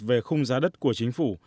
về khung giá đất của chính phủ